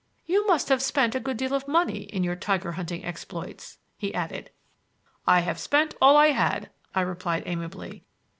You must have spent a good bit of money in your tiger hunting exploits," he added. "I have spent all I had," I replied amiably.